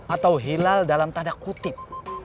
atau hilal dalam tanda kutip